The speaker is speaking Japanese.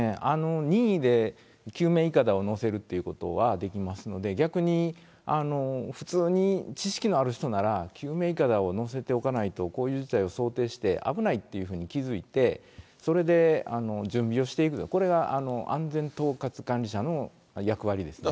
任意で救命いかだを載せるということはできますので、逆に普通に知識のある人なら、救命いかだを載せておかないと、こういう事態を想定して、危ないっていうふうに気付いて、それで準備をしていく、これは安全統括管理者の役割ですね。